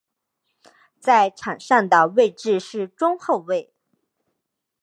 在场上的位置是中后卫。